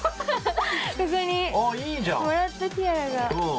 ここにもらったティアラが。